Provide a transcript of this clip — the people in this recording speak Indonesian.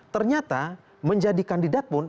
ternyata menjadi kandidat pun